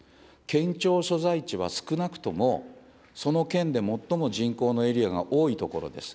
県庁所在地は、少なくともその県で最も人口のエリアが多い所です。